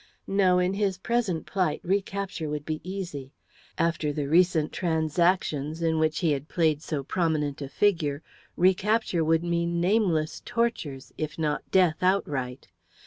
No, in his present plight, recapture would be easy. After the recent transactions, in which he had played so prominent a figure, recapture would mean nameless tortures, if not death outright.